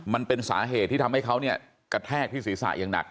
มันเป็นสาเหตุที่ทำให้เขาเนี่ยกระแทกที่ศีรษะอย่างหนัก